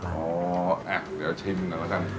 อ๋ออ่ะเดี๋ยวชิมหน่อยว่าจะ